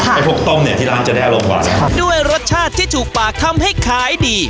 ใช่ไอ้พวกต้มเนี่ยที่ร้านจะแด้ลงกว่าใช่ค่ะด้วยรสชาติที่ถูกปากทำให้ขายดี